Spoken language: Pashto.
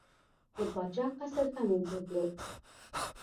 د پاچا قصر ته مو بوتلو.